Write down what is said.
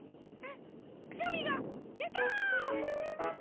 くしゃみがでた！